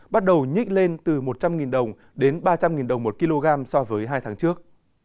bắt đầu nhích lên từ một trăm linh đồng đến ba trăm linh đồng một kg so với hai tháng trước